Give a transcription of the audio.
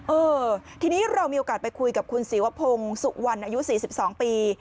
เออทีนี้เรามีโอกาสไปคุยกับคุณศิวพงศ์สุวรรณอายุ๔๒ปี